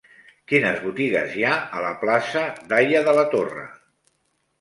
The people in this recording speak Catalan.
Quines botigues hi ha a la plaça d'Haya de la Torre?